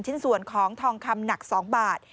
ชิ้นส่วนของทองคำหนัก๒บาท